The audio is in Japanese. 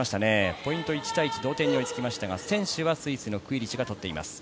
ポイント１対１、同点に追いつきましたが先取はクイリチが取っています。